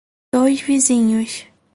Dois Vizinhos